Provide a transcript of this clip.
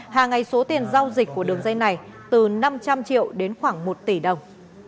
hàng ngày số tiền giao dịch của đường dây này từ năm trăm linh triệu đến khoảng một tỷ đồng